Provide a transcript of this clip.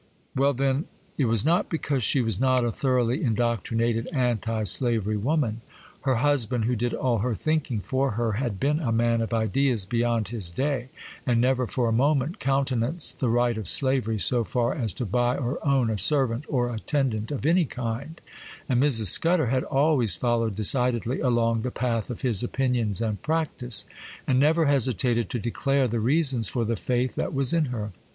Well, then, it was not because she was not a thoroughly indoctrinated anti slavery woman. Her husband, who did all her thinking for her, had been a man of ideas beyond his day, and never for a moment countenanced the right of slavery so far as to buy or own a servant or attendant of any kind: and Mrs. Scudder had always followed decidedly along the path of his opinions and practice, and never hesitated to declare the reasons for the faith that was in her.